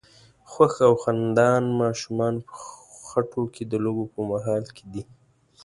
خوښ او خندان ماشومان په خټو کې د لوبو په حال کې دي.